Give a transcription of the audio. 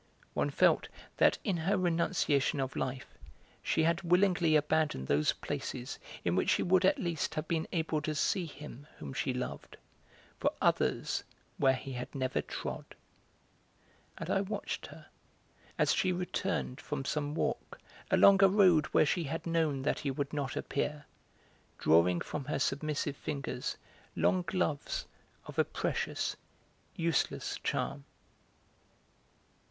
One felt that in her renunciation of life she had willingly abandoned those places in which she would at least have been able to see him whom she loved, for others where he had never trod. And I watched her, as she returned from some walk along a road where she had known that he would not appear, drawing from her submissive fingers long gloves of a precious, useless charm.